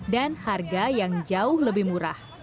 dan harga yang jauh lebih murah